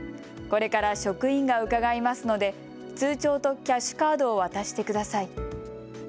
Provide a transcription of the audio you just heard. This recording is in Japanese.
これから職員が伺いますので通帳とキャッシュカードを渡してください。